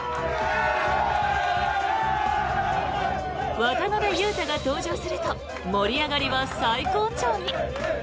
渡邊雄太が登場すると盛り上がりは最高潮に。